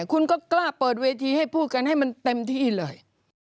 คุณก็กล้าเปิดเวทีให้พูดกันให้มันเต็มที่เลย